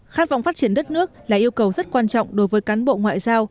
khát vọng phát triển đất nước là yêu cầu rất quan trọng đối với cán bộ ngoại giao